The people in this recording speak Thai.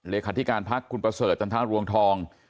เลขาธิการพักคุณประเสริฐจันทรรวงทอง